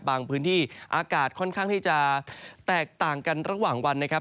พื้นที่อากาศค่อนข้างที่จะแตกต่างกันระหว่างวันนะครับ